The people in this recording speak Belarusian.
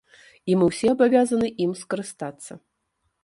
І мы ўсе абавязаны ім скарыстацца.